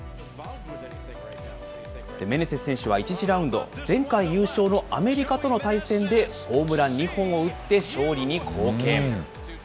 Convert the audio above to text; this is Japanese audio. メネセス選手は、１次ラウンド、前回優勝のアメリカとの対戦でホームラン２本を打って勝利に貢献。